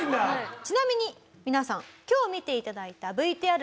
ちなみに皆さん今日見ていただいた。